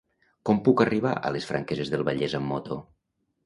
Com puc arribar a les Franqueses del Vallès amb moto?